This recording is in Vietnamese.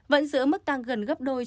vẫn giữ mức tăng gần gấp đôi